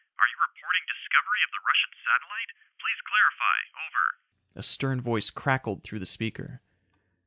Are you reporting discovery of the Russian satellite? Please clarify. Over." A stern voice crackled through the speaker.